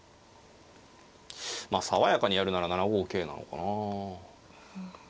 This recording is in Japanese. まあ爽やかにやるなら７五桂なのかなあ。